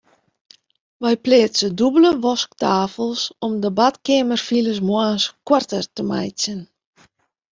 Wy pleatse dûbelde wasktafels om de badkeamerfiles moarns koarter te meitsjen.